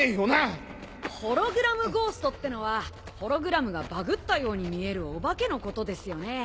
ホログラムゴーストってのはホログラムがバグったように見えるお化けのことですよね？